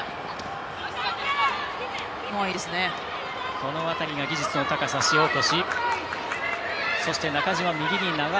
この辺りが技術の高さ、塩越。